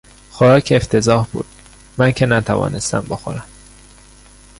خوراک افتضاح بود; من که نتوانستم بخورم.